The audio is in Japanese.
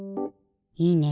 いいね！